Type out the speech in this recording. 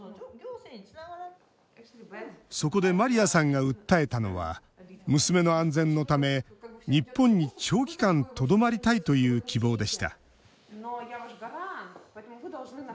そこでマリアさんが訴えたのは娘の安全のため日本に長期間とどまりたいという希望でした。